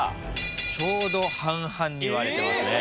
ちょうど半々に割れてます。